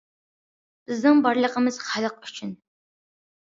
بىزنىڭ بارلىقىمىز خەلق ئۈچۈن.